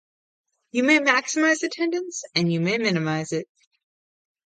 You may maximize attendance, and you may minimize it.